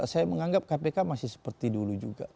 saya menganggap kpk masih seperti dulu juga